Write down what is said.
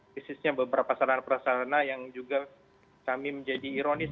khususnya beberapa sarana perasarana yang juga kami menjadi ironis